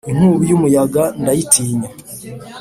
’inkubi y’umuyaga ndayitinya